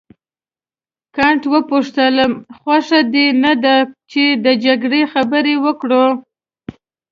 کانت وپوښتل خوښه دې نه ده چې د جګړې خبرې وکړو.